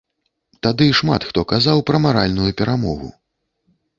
Тады шмат хто казаў пра маральную перамогу.